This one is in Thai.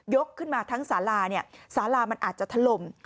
ยกขึ้นมาทั้งสาลาสาลามันอาจจะถล่ม